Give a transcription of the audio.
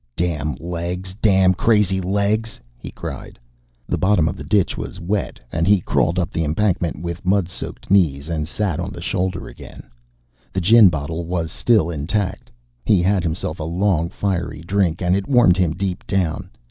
"Damn legs, damn crazy legs!" he cried. The bottom of the ditch was wet, and he crawled up the embankment with mud soaked knees, and sat on the shoulder again. The gin bottle was still intact. He had himself a long fiery drink, and it warmed him deep down.